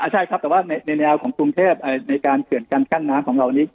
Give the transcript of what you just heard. ใช่ครับแต่ว่าในแนวของกรุงเทพในการเขื่อนการกั้นน้ำของเรานี้